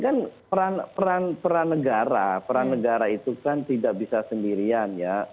kan peran negara peran negara itu kan tidak bisa sendirian ya